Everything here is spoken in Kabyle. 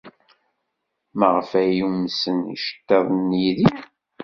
Maɣef ay umsen yiceḍḍiden n Yidir?